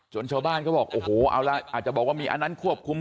ชาวบ้านเขาบอกโอ้โหเอาละอาจจะบอกว่ามีอันนั้นควบคุม